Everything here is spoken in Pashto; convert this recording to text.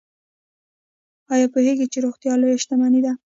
ایا پوهیږئ چې روغتیا لویه شتمني ده؟